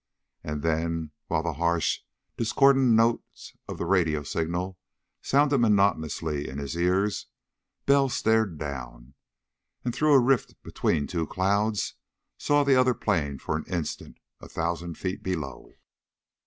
And then, while the harsh, discordant notes of the radio signal sounded monotonously in his ears, Bell stared down and, through a rift between two clouds, saw the other plane for an instant, a thousand feet below.